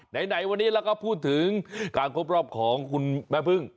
ไหนวันนี้เราก็พูดถึงการครบรอบของคุณแม่พึ่ง